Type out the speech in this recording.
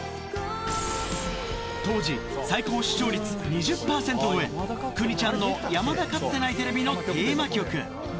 当時、最高視聴率２０％超え、邦ちゃんのやまだかつてないテレビのテーマ曲。